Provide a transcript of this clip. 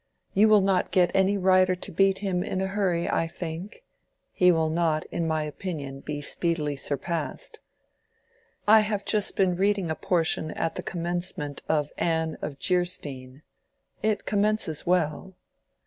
You will not get any writer to beat him in a hurry, I think—he will not, in my opinion, be speedily surpassed. I have just been reading a portion at the commencement of 'Anne of Jeersteen.' It commences well."